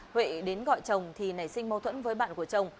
huệ đến gọi chồng thì nảy sinh mâu thuẫn với bạn của chồng